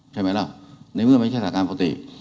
ใช่ไหมล่ะในเมื่อไม่ใช่สถานการณ์ปกติ